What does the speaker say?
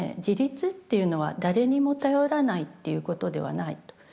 自立っていうのは誰にも頼らないっていうことではないと。